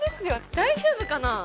大丈夫かな？